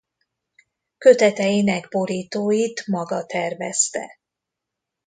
Köteteinek borítóit maga tervezte.